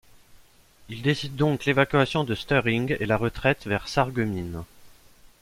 Il décide donc l'évacuation de Stiring et la retraite vers Sarreguemines.